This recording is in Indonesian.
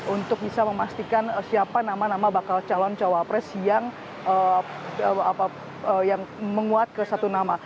untuk bisa memastikan siapa nama nama bakal calon cawapres yang menguat ke satu nama